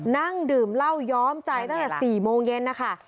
นั่งดื่มเหล้าย้อมใจตั้งแต่๔โมงเย็นนะคะ